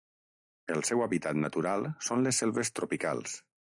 El seu hàbitat natural són les selves tropicals.